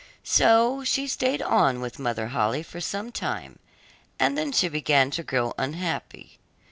So she stayed on with Mother Holle for some time, and then she began to grow unhappy.